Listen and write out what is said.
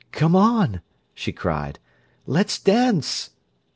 "Come on!" she cried. "Let's dance!"